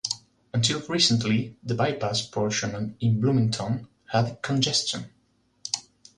Until recently "The Bypass" portion in Bloomington had congestion.